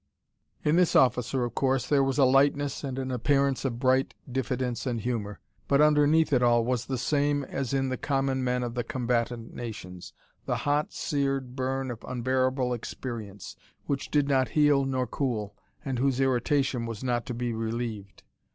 In this officer, of course, there was a lightness and an appearance of bright diffidence and humour. But underneath it all was the same as in the common men of all the combatant nations: the hot, seared burn of unbearable experience, which did not heal nor cool, and whose irritation was not to be relieved.